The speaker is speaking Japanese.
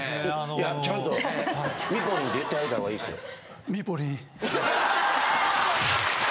いやちゃんとミポリンって言ってあげた方がいいですよ。